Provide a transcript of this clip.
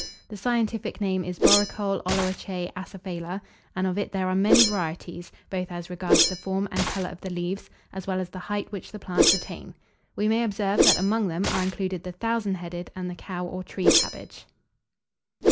The scientific name is Borecole oleracea acephala, and of it there are many varieties, both as regards the form and colour of the leaves, as well as the height which the plants attain. We may observe, that among them, are included the Thousand headed, and the Cow or Tree Cabbage.